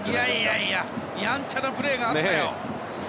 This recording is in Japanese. いやいややんちゃなプレーがあったよ！